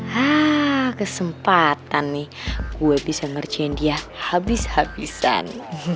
hah kesempatan nih gue bisa ngerjain dia habis habisan